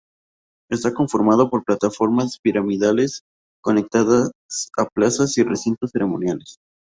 Está conformado por plataformas piramidales, conectadas a plazas y recintos ceremoniales.